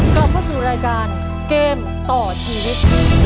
กลับเข้าสู่รายการเกมต่อชีวิต